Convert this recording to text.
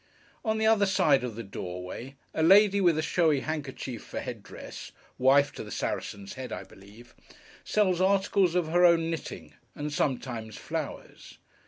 On the other side of the doorway, a lady with a showy handkerchief for head dress (wife to the Saracen's Head, I believe) sells articles of her own knitting; and sometimes flowers.